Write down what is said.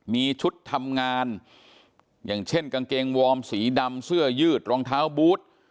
มีชุดทำงานอย่างเช่นกางเกงวอร์มสีดำเสื้อยืดรองเท้าบูธ